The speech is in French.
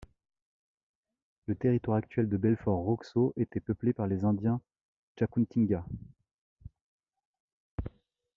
Le territoire actuel de Belford Roxo était peuplé par les indiens Jacutinga.